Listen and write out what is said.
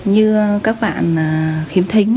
như các bạn khiếm thính